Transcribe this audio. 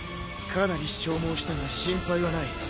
かなり消耗したが心配はない。